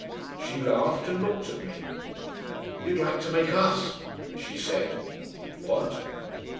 She laughed and looked at me. "You'd like to make us," she said. "What?"